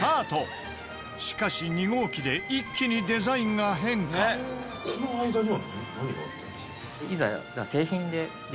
しかし２号機で一気にデザインが変化いざ。